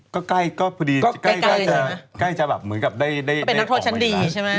ก็ใกล้จะแบบเหมือนกับได้ออกมาอีกแล้ว